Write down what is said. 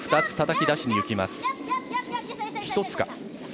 ２つたたき出しにいきます。